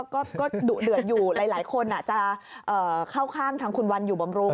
ก็ดุเดือดอยู่หลายคนจะเข้าข้างทางคุณวันอยู่บำรุง